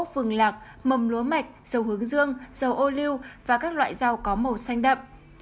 phường lạc mầm lúa mạch dầu hướng dương dầu ô lưu và các loại rau có màu xanh đậm